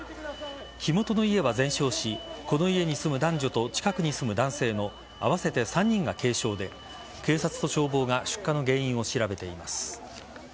火元の家は全焼しこの家に住む男女と近くに住む男性の合わせて３人が軽傷で警察と消防が出火の原因を調べています。